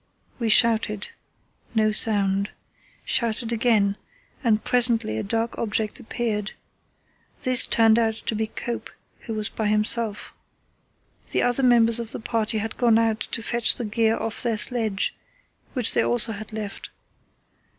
"We shouted. No sound. Shouted again, and presently a dark object appeared. This turned out to be Cope, who was by himself. The other members of the party had gone out to fetch the gear off their sledge, which they also had left.